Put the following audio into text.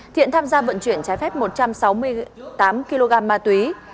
thiện tham gia vận chuyển trái phép một trăm sáu mươi tám kg ma túy